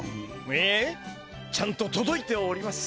いいえちゃんととどいております。